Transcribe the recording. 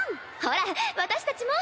ほら私たちも。